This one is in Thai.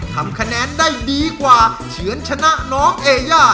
ทำคะแนนได้ดีกว่าเฉือนชนะน้องเอย่า